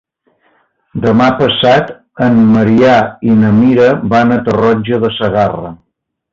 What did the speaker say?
Demà passat en Maria i na Mira van a Tarroja de Segarra.